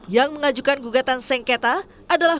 yang mengajukan gugatan sengketa adalah